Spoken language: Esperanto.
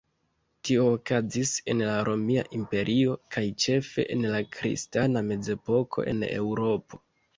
Tio okazis en la Romia Imperio kaj ĉefe en la kristana Mezepoko en Eŭropo.